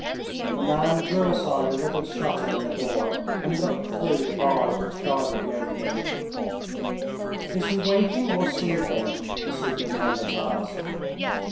The man drew aside a little shutter in the door, and looked through the bars which guarded the opening. "Is he waking or sleeping?" the superintendent asked.